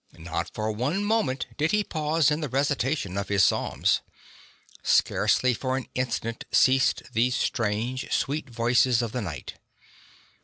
Not for one moment did he pause in the recitation of his psalms. Scarcely for an instant ceased these strange, sweet voices of the night.